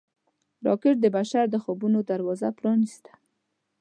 راکټ د بشر د خوبونو دروازه پرانیسته